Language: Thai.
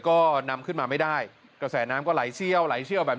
ก็นำขึ้นมาไม่ได้กระแสน้ำแบบนี้ไหลเชี่ยว